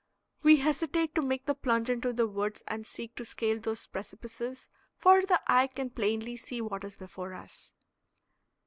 We hesitate to make the plunge into the woods and seek to scale those precipices, for the eye can plainly see what is before us.